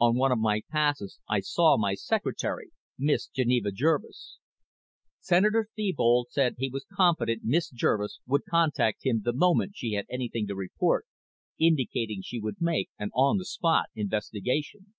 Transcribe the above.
On one of my passes I saw my secretary, Miss Geneva Jervis."_ _Sen. Thebold said he was confident Miss Jervis would contact him the moment she had anything to report, indicating she would make an on the spot investigation.